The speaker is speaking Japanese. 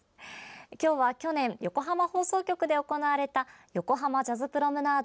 今日は去年、横浜放送局で行われた横濱ジャズプロムナード